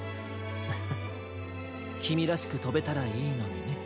フフきみらしくとべたらいいのにね。